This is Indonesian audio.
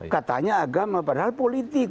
katanya agama padahal politik